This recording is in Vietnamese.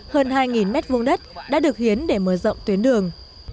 hơn hai mét vùng đất đã được hiến để mở rộng tuyến đường